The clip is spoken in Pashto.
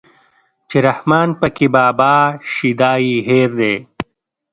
چې رحمان پکې بابا شيدا يې هېر دی